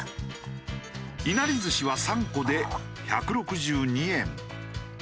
いなりずしは３個で１６２円。